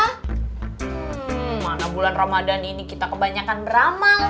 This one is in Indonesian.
hmm mana bulan ramadhan ini kita kebanyakan beramal